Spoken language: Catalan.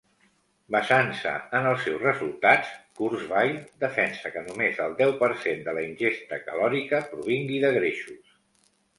Basant-se en els seus resultats, Kurzweil defensa que només el deu per cent de la ingesta calòrica provingui de greixos.